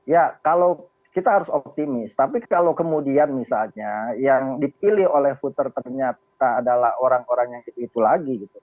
ya kalau kita harus optimis tapi kalau kemudian misalnya yang dipilih oleh footer ternyata adalah orang orang yang itu itu lagi gitu